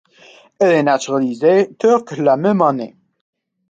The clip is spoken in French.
Elle est naturalisée turque la même année.